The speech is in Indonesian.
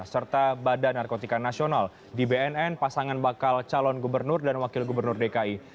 serta badan narkotika nasional di bnn pasangan bakal calon gubernur dan wakil gubernur dki